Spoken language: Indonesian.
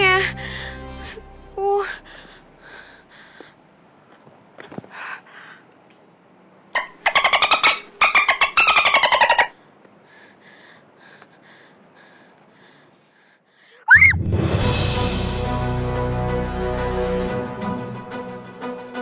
ya allah harus kemana nih